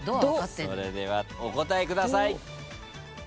それではお答えください。